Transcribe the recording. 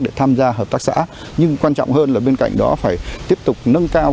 để tham gia hợp tác xã nhưng quan trọng hơn là bên cạnh đó phải tiếp tục nâng cao